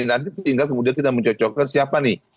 nanti tinggal kemudian kita mencocokkan siapa nih